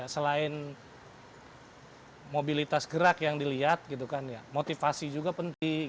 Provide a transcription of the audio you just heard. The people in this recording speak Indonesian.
selain mobilitas gerak yang dilihat motivasi juga penting